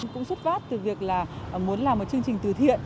cũng xuất phát từ việc là muốn làm một chương trình từ thiện